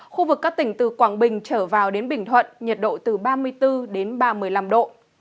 khu vực các tỉnh từ quảng bình trở vào đến bình thuận nhiệt độ từ ba mươi bốn đến ba mươi năm độ